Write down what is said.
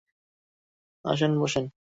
আসেন, বসেন।